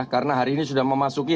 karena hari ini sudah memasuki